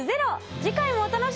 次回もお楽しみに！